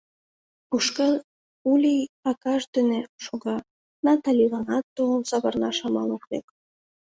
Ушкал Улий акаж дене шога, Наталиланат толын савырнаш амал ок лек.